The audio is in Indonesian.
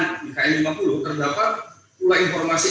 di km lima puluh terdapat ulah informasi